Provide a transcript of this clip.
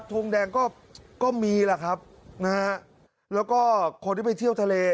ทุ่งแดงก็มีล่ะครับแล้วก็คนที่ไปเที่ยวทะเล